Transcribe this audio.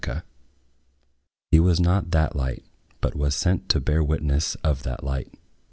"He was not that Light; but was sent to bear witness of that Light."